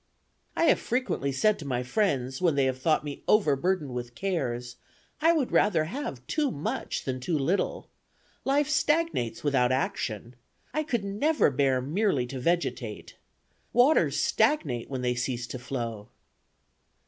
I have frequently said to my friends, when they have thought me overburdened with cares, I would rather have too much than too little. Life stagnates without action. I could never bear merely to vegetate; Waters stagnate when they cease to flow."